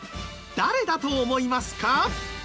誰だと思いますか？